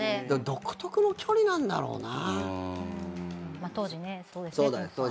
独特の距離なんだろうな。